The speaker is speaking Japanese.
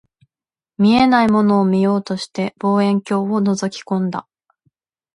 見えないものを見ようとして、望遠鏡を覗き込んだ